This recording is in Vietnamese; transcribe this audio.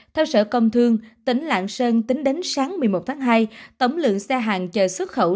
theo sở công thương tỉnh lạng sơn tính đến sáng một mươi một tháng hai tổng lượng xe hàng chờ xuất khẩu